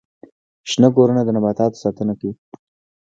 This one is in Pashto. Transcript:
شنه کورونه د نباتاتو ساتنه کوي